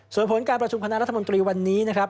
ส่วนผลการประชุมคณะรัฐมนตรีวันนี้นะครับ